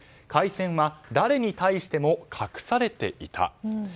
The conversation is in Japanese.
開戦は誰に対しても隠されていた。